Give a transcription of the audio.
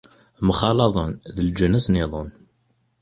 Mxalaḍen d leǧnas-nniḍen.